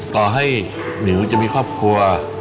ต่อให้หมิวจะมีครอบครัว